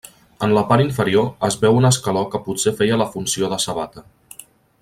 En la part inferior es veu un escaló que potser feia la funció de sabata.